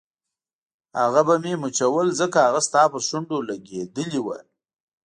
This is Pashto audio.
هغه به مې مچول ځکه هغه ستا پر شونډو لګېدلي وو.